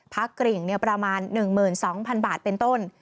กริ่งประมาณ๑๒๐๐๐บาทเป็นต้น